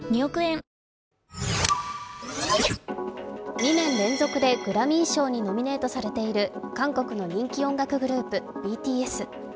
２年連続でグラミー賞にノミネートされている韓国の人気音楽グループＢＴＳ。